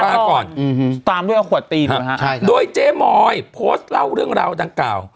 ปลาก่อนเอ่อหืมหืมตามด้วยไว้ขวดตีดูนะฮะใช่ค่ะด้วยเจ๊หมอยโพสต์เล่าเรื่องราวดังเก่า